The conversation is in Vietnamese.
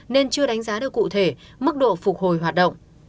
nên chưa đánh giá được cụ thể mức độ phục hồi hoạt động